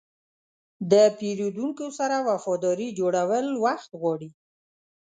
د پیرودونکو سره وفاداري جوړول وخت غواړي.